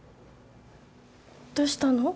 どうしたの？